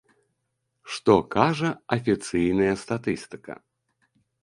Што кажа афіцыйная статыстыка?